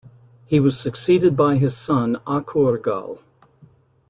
He was succeeded by his son Akurgal.